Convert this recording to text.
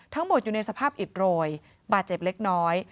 ทั้งหมดอยู่ในสภาพอิตรวยบาดเจ็บเล็กน้อย